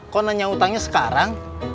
kok nanya utangnya sekarang